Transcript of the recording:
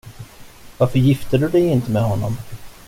Varför gifte du dig inte med honom?